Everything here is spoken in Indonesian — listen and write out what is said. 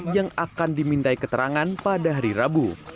yang akan dimintai keterangan pada hari rabu